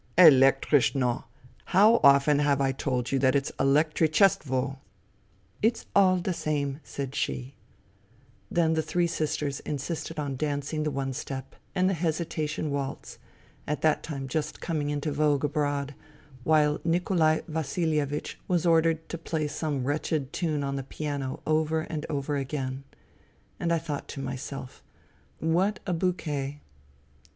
'' Elektrichno ! How often have I told you that it's elektrichestvo ?" "It's all the same," said she. THE THREE SISTERS 15 Then the three sisters insisted on dancing the one step and the hesitation waltz, at that time just coming into vogue abroad, while Nikolai Vasilievich was ordered to play some wretched tune on the piano over and over again. And I thought to my self : What a bouquet